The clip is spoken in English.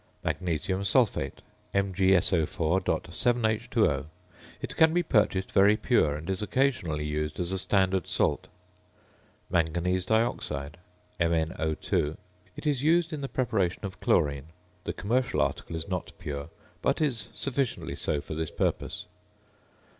~Magnesium Sulphate~, MgSO_.7H_O. It can be purchased very pure, and is occasionally used as a standard salt. ~Manganese Dioxide~, MnO_. It is used in the preparation of chlorine. The commercial article is not pure, but is sufficiently so for this purpose.